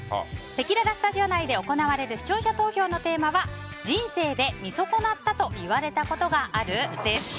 せきららスタジオ内で行われる視聴者投票のテーマは人生で見損なったと言われたことがある？です。